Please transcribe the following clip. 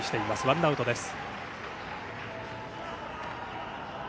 ワンアウトです。